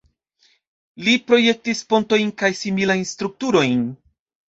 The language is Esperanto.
Li projektis pontojn kaj similajn strukturojn.